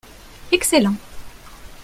excellent.